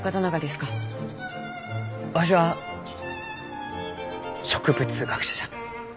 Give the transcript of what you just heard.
わしは植物学者じゃ。